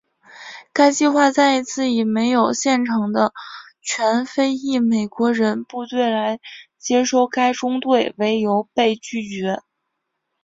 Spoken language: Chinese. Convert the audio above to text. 该计划再一次以没有现成的全非裔美国人部队来接收该中队为由被拒绝。